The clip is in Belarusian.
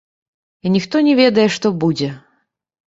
І ніхто не ведае, што будзе.